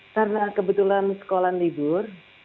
karena kebetulan sekolah ligur